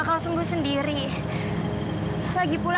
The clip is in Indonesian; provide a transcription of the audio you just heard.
sampai jumpa di video selanjutnya